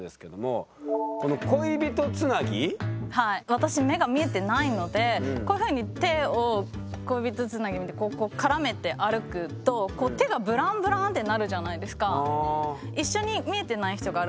私目が見えてないのでこういうふうに手を恋人つなぎみたいにこう絡めて歩くとこう手がブランブランってなるじゃないですか。